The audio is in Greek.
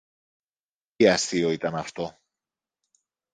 Τι αστείο ήταν αυτό